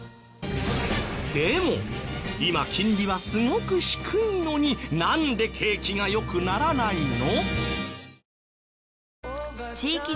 でも今金利はすごく低いのになんで景気が良くならないの？